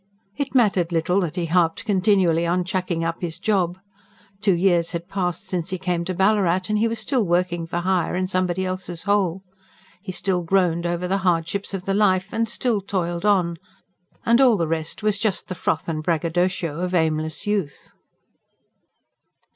It mattered little that he harped continually on "chucking up" his job. Two years had passed since he came to Ballarat, and he was still working for hire in somebody else's hole. He still groaned over the hardships of the life, and still toiled on and all the rest was just the froth and braggadocio of aimless youth.